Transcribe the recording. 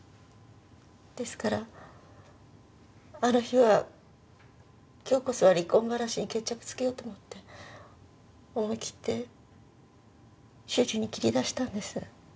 ですからあの日は今日こそは離婚話に決着つけようと思って思い切って主人に切り出したんです。